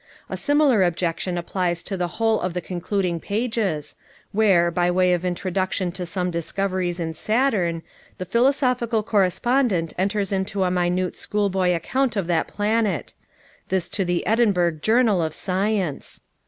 A similar objection applies to the whole of the concluding pages, where, by way of introduction to some discoveries in Saturn, the philosophical correspondent enters into a minute schoolboy account of that planet—this to the "Edinburgh Journal of Science!"